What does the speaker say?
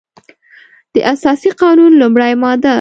د اساسي قانون لمړۍ ماده